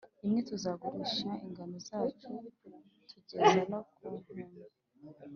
emwe tuzagurisha ingano zacu, tugeze no ku nkumbi!»